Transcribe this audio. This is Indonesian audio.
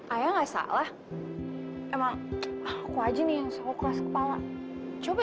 ayah nggak salah emang aku aja nih selalu keras kepala coba